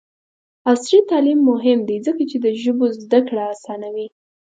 عصري تعلیم مهم دی ځکه چې د ژبو زدکړه اسانوي.